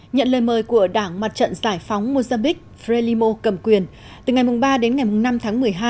nhận lời mời của đảng mặt trận giải phóng mozambique frelimo cầm quyền từ ngày ba đến ngày năm tháng một mươi hai